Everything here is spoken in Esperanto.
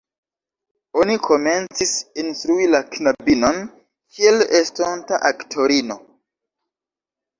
Oni komencis instrui la knabinon kiel estonta aktorino.